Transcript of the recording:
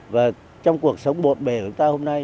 và trong cuộc sống bộn bề của chúng ta hôm nay